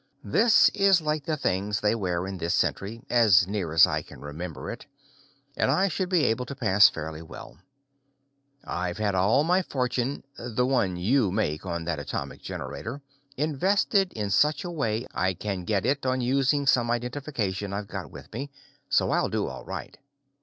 "This is like the things they wear in this century, as near as I can remember it, and I should be able to pass fairly well. I've had all my fortune the one you make on that atomic generator invested in such a way I can get it on using some identification I've got with me, so I'll do all right.